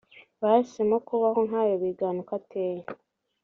bahisemo kubaho nkayo bigana uko ateye